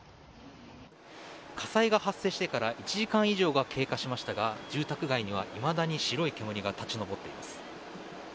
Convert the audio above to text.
火災が発生してから１時間以上が経過しましたが住宅街にはいまだに白い煙が立ち上っています。